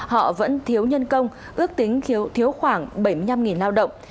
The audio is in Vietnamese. họ vẫn thiếu nhân công ước tính thiếu khoảng bảy mươi năm lao động